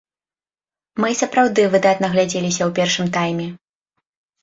Мы і сапраўды выдатна глядзеліся ў першым тайме.